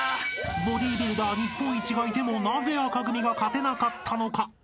［ボディビルダー日本一がいてもなぜ紅組が勝てなかったのか？］